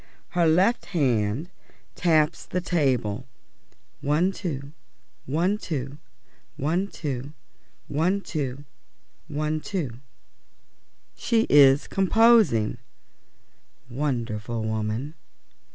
Her left hand taps the table one two, one two, one two, one two, one two. She is composing. Wonderful woman!